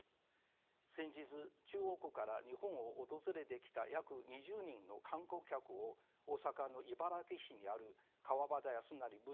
先日中国から日本を訪れてきた約２０人の観光客を大阪の茨木市にある川端康成文学館にご案内いたしました。